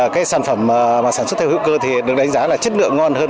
cái sản phẩm sản xuất theo hữu cơ được đánh giá là chất lượng ngon hơn